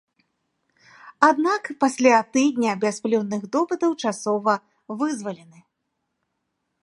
Аднак пасля тыдня бясплённых допытаў часова вызвалены.